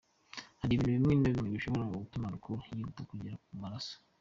Hari ibintu bimwe na bimwe bishobora gutuma Alcool yihuta kugera mu maraso.